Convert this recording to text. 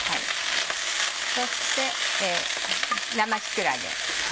そして生木くらげ。